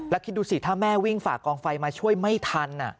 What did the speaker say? แล้วคิดดูสิถ้าแม่วิ่งฝากกองไฟมาช่วยไม่ทัน